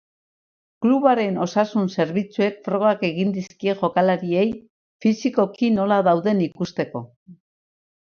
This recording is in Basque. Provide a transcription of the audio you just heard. Klubaren osasun-zerbitzuek frogak egin dizkie jokalariei, fisikoki nola dauden ikusteko.